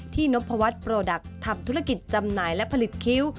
นพวัฒน์โปรดักต์ทำธุรกิจจำหน่ายและผลิตคิ้ว